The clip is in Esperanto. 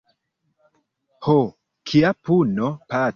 Ho, kia puno, patro!